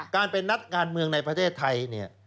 การเป็นนักการเมืองในประเทศไทยเนี่ย